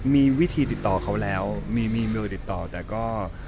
มีวิธีติดต่อเขาแล้วมีมือติดต่อแต่ก็